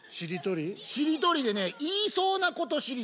しりとりでね言いそうなことしりとり。